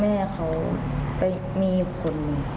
แม่เขาไปมีคน